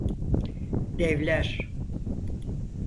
Devler!